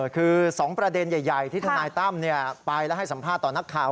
คือ๒ประเด็นใหญ่ที่ทนายตั้มไปแล้วให้สัมภาษณ์ต่อนักข่าว